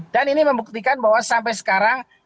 dan ini membuktikan bahwa sampai sekarang